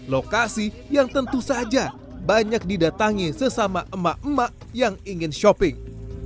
lokasi yang tentu saja banyak didatangi sesama emak emak yang ingin shopping